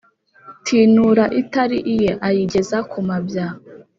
tinura itari -iye ayigeza ku mabya